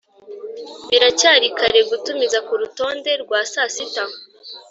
biracyari kare gutumiza kurutonde rwa sasita? (